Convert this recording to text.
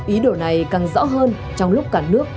ý đồ này càng rõ hơn trong lúc cả nước